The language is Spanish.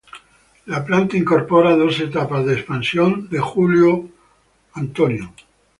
La planta incorpora dos etapas de expansión de Joule-Thompson.